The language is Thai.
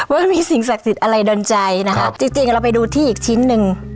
ว่ามันมีสิ่งศักดิ์สิทธิ์อะไรดนใจนะคะจริงเราไปดูที่อีกชิ้นหนึ่ง